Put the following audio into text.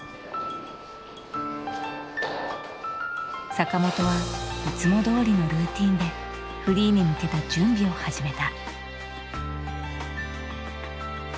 坂本はいつもどおりのルーティーンでフリーに向けた準備を始めた。